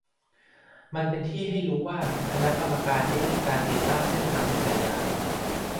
มันเป็นที่รู้ว่าคณะกรรมการได้เลื่อนการติดตั้งเส้นทางจักรยาน